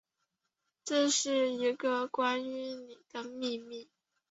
这是一个关于妳的秘密